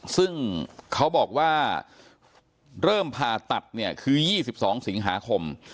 ซึ่งเขาบอกว่าเริ่มผ่าตัดเนี่ยคือ๒๒สิงหาคม